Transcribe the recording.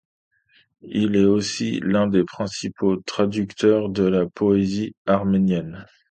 Il est aussi l'un des principaux traducteurs de la poésie arménienne.